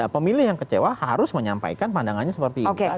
pemilih yang kecewa harus menyampaikan pandangannya seperti itu